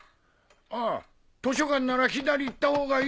ああ図書館なら左行ったほうがいいよ。